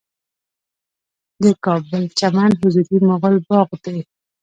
د کابل چمن حضوري مغل باغ دی